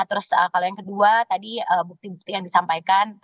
terus kalau yang kedua tadi bukti bukti yang disampaikan